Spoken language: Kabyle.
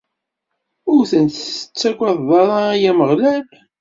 Ur ten-tettaǧǧaḍ ara, ay Ameɣlal!